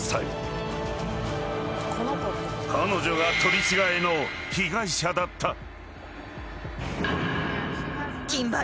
［彼女が取り違えの被害者だった］